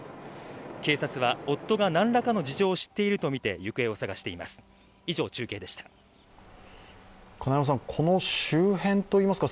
警察は夫がなんらかの事情を知っているとみて行方を捜しています。